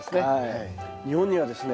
日本にはですね